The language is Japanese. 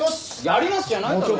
やりますじゃないだろ！